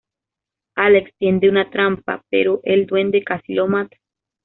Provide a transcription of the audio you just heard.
Alex tiende una trampa, pero el duende casi lo mata.